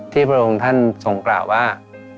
พระองค์ท่านทรงกล่าวว่า